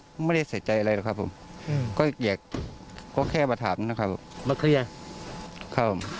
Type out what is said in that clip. คุณผู้ขายโลกใช้ไม๊มัทิฟโกยี่ความใจร้อนปิดแขวนก็ไหว